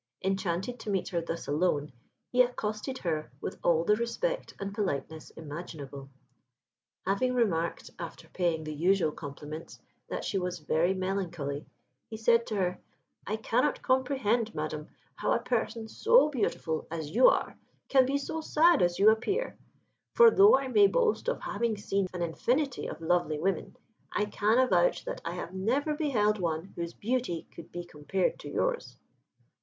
Enchanted to meet her thus alone, he accosted her with all the respect and politeness imaginable. Having remarked, after paying the usual compliments, that she was very melancholy, he said to her, "I cannot comprehend, Madam, how a person so beautiful as you are can be so sad as you appear; for though I may boast of having seen an infinity of lovely women, I can avouch that I have never beheld one whose beauty could be compared to yours."